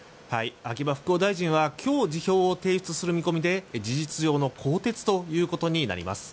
秋葉復興大臣は今日、辞表を提出する見込みで事実上の更迭ということになります。